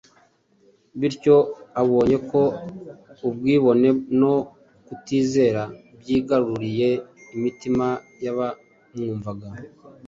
Bityo abonye ko ubwibone no kutizera byigaruriye imitima y’abamwumvaga